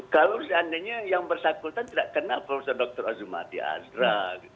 kalau seandainya yang bersangkutan tidak kena prof dr azumati azra